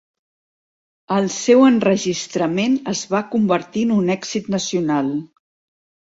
El seu enregistrament es va convertir en un èxit nacional.